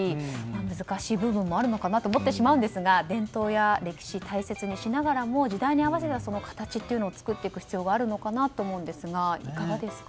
難しい部分もあるのかなと思ってしまうんですが伝統や歴史を大切にしながらも時代に合わせた形というのを作っていく必要があると思うんですがいかがですか？